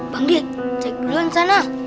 bang dik cek duluan sana